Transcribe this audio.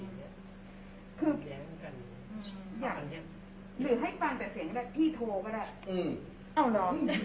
อยากหรือให้ฟังแต่เสียงให้ได้พี่โทรก็ได้อืมเอาหรอ